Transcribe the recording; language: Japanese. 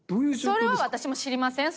それは私も知りません！